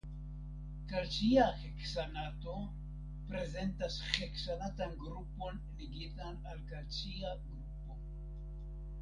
Kalcia heksanato prezentas heksanatan grupon ligitan al kalcia grupo.